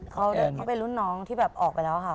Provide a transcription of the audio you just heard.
เขาเป็นรุ่นน้องที่แบบออกไปแล้วค่ะ